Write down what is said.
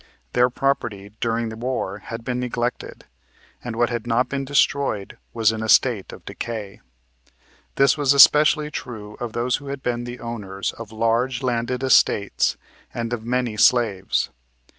Their property during the War had been neglected, and what had not been destroyed was in a state of decay. This was especially true of those who had been the owners of large landed estates and of many slaves.